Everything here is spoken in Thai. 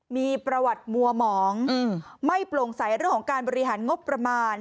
มีประวัติมัวหมองไม่โปร่งใสเรื่องของการบริหารงบประมาณ